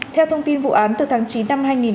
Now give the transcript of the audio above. theo thông tin vụ án từ tháng chín năm hai nghìn hai mươi